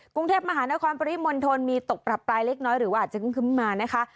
กรุงเทพมหานครปริมณฑลมีตกปรับปลายเล็กน้อยหรือว่าอาจจะคึ้มมานะคะ